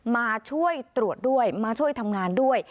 มาช่วยตรวจด้วยมาช่วยทำงานด้วย